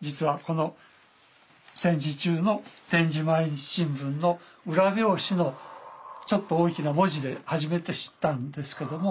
実はこの戦時中の点字毎日新聞の裏表紙のちょっと大きな文字で初めて知ったんですけども。